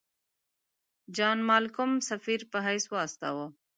جان مالکم سفیر په حیث واستاوه.